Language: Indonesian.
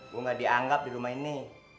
gue gak dianggap di rumah ini